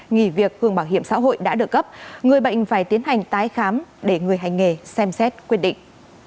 nghỉ việc hưởng bảo hiểm xã hội đã được cấp người bệnh phải tiến hành tái khám để người hành nghề xem xét quyết định